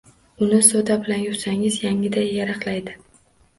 Uni soda bilan yuvsangiz yangiday yaraqlaydi.